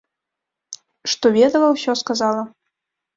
Што ведала, усё сказала.